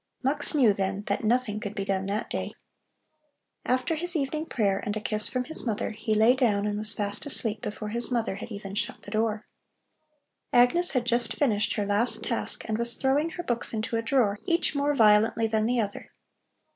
Mux knew then that nothing could be done that day, After his evening prayer and a kiss from his mother, he lay down and was fast asleep before his mother had even shut the door. Agnes had just finished her last task and was throwing her books into a drawer, each more violently than the other.